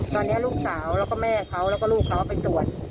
ตอนนี้ลูกสาวแล้วก็แม่เขาแล้วก็ลูกเขาไปตรวจ